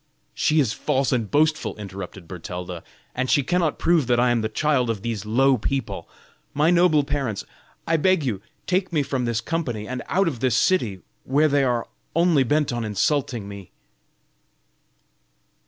"She is false and boastful," interrupted Bertalda, "and she cannot prove that I am the child of these low people. My noble parents, I beg you to take me from this company and out of this city, where they are only bent on insulting me."